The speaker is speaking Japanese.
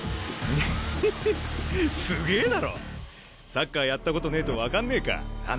サッカーやったことねえと分かんねえか花。